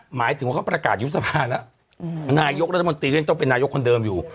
หมายถึงว่าเขาประกาศยุบสภาแล้วนายกรัฐมนตรีก็ยังต้องเป็นนายกคนเดิมอยู่